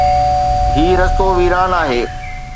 هي رستو ويران آهي